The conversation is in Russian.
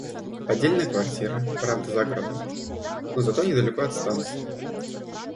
Отдельная квартира, правда за городом, но зато недалеко от станции.